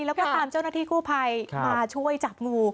แล้วก็ตามเจ้าหน้าที่กู้ภัยมาช่วยจับงู